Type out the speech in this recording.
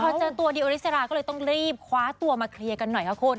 พอเจอตัวดีโอลิสราก็เลยต้องรีบคว้าตัวมาเคลียร์กันหน่อยค่ะคุณ